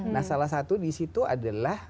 nah salah satu disitu adalah